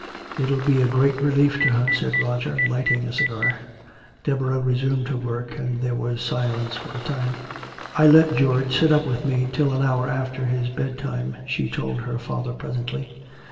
"It'll be a great relief to her," said Roger, lighting a cigar. Deborah resumed her work, and there was silence for a time. "I let George sit up with me till an hour after his bedtime," she told her father presently.